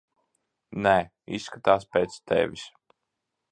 Nē, izskatās pēc tevis.